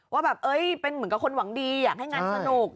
ว่าแบบเป็นเหมือนกับคนหวังดีอยากให้งานสนุก